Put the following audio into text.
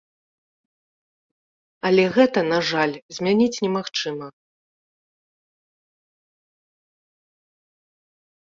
Але гэта, на жаль, змяніць немагчыма.